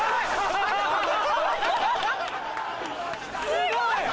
すごい！